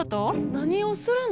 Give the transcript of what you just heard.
何をするの？